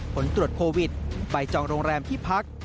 ผลตรวจโควิดใบจองโรงแรมที่พัก